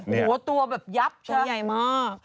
หัวตัวแบบยับใช่ไหมตัวใหญ่มาก